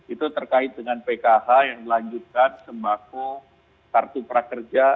itu terkait dengan pkh yang melanjutkan sembako kartu prakerja